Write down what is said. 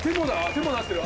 手もなってる。